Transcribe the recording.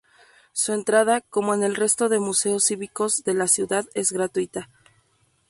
Su entrada, como en el resto de museos cívicos de la ciudad, es gratuita.